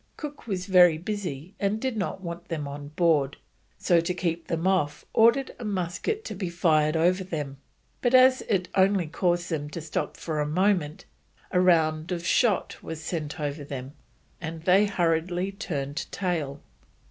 Cook was very busy, and did not want them on board, so to keep them off ordered a musket to be fired over them; but as it only caused them to stop for a moment, a round shot was sent over them, and they hurriedly turned tail.